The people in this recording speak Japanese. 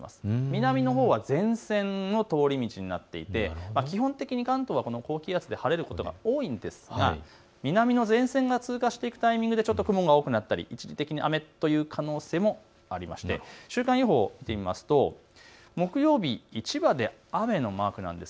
南のほうは前線の通り道になっていて基本的に関東は高気圧で晴れることが多いんですが南の前線が通過していくタイミングでちょっと雲が多くなったり一時的に雨という可能性もありまして週間予報、見てみますと木曜日、千葉で雨のマークなんです。